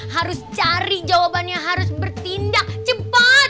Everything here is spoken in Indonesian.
harus cari jawabannya harus bertindak cepat